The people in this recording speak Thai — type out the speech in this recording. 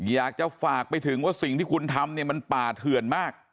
อยากจะฝากไปถึงว่าสิ่งที่คุณทำเนี่ยมันป่าเถื่อนมาก